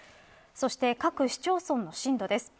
そして、各市町村の震度です。